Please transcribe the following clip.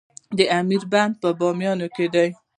د امیر بند په بامیان کې دی